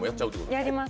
やります。